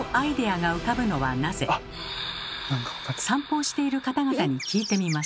散歩をしている方々に聞いてみました。